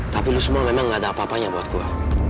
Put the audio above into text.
tapi lu semua memang gak ada apa apanya buat gue